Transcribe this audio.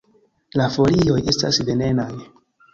La folioj estas venenaj.